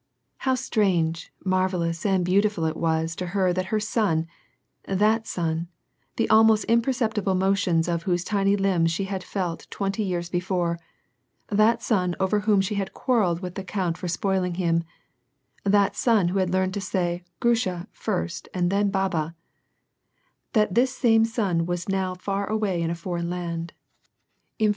How strange, marvellous, and beautiful it was to her that her son — that son, the almost imperceptible motions of whose tiny limbs she had felt twenty years before, that son over whom she had quarrelled with the count for spoiling him, that son who had learned to say grusha first and then baha — that this same son was now far away in a foreign land, in for WAR AND PEACE.